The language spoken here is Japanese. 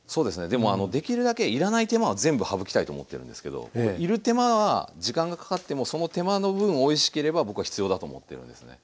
でもできるだけ要らない手間は全部省きたいと思ってるんですけど要る手間は時間がかかってもその手間の分おいしければ僕は必要だと思ってるんですね。